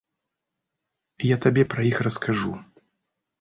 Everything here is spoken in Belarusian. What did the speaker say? Я табе пра іх раскажу.